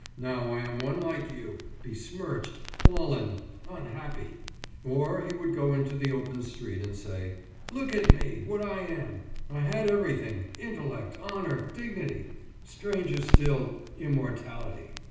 Now I am one like you, besmirched, fallen, unhappy!« Or he would go into the open street and say: »Look at me, what I am! I had everything intellect, honour, dignity stranger still, immortality.